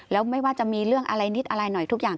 แล้วไม่ว่าจะมีเรื่องอะไรนิดอะไรหน่อยทุกอย่าง